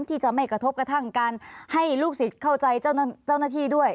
ที่จะไม่กระทบกระทั่งการให้ลูกศิษย์เข้าใจเจ้าหน้าที่ด้วย